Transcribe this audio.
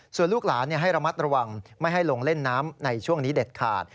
ส่วนลูกหลานให้ระมัดระวังไม่ให้ลงเล่นน้ำในช่วงนี้เด็ดขาด